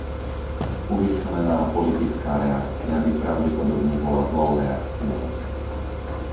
Urýchlená politická reakcia by pravdepodobne bola zlou reakciou.